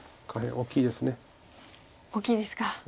大きいです。